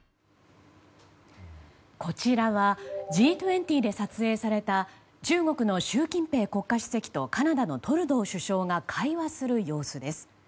こちらはＧ２０で撮影された中国の習近平国家主席とカナダのトルドー首相が会話する様子です。